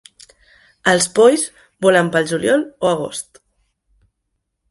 Els polls volen pel juliol o agost.